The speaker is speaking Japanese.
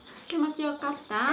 気持ちよかった？